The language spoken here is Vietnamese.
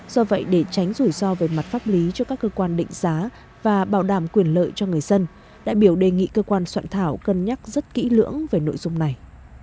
do vậy để tránh rủi ro về mặt pháp lý cho các cơ quan định giá và bảo đảm quyền lợi cho người dân đại biểu đề nghị cơ quan soạn thảo cân nhắc rất kỹ lưỡng về nội dung này